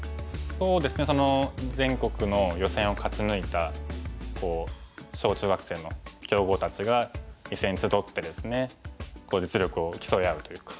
そうですね全国の予選を勝ち抜いた小中学生の強豪たちが一斉に集ってですね実力を競い合うというか。